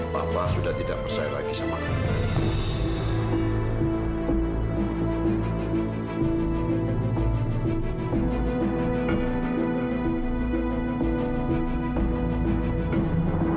papa sudah tidak bersayang lagi sama kamu